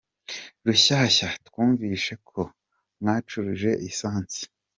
Rushyashya : twumvishe ko mwacuruje essence ?